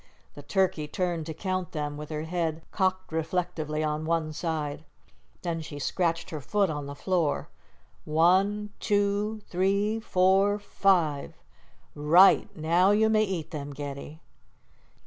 The turkey turned to count them, with her head cocked reflectively on one side. Then she scratched her foot on the floor. "One, two, three, four, five!" "Right. Now you may eat them, Getty."